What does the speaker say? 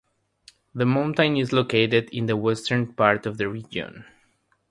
The mountain is located in the western part of the region.